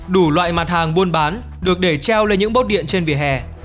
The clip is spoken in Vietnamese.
đủ loại mặt hàng buôn bán được để treo lên những bốt điện trên vỉa hè